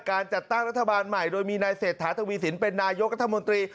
การจัดตั้งรัฐบาลใหม่โดยมีนายเศรษฐาทวีสินเป็นนายกรัฐมนตรี